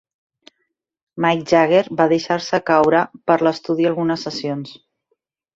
Mick Jagger va deixar-se caure per l'estudi algunes sessions.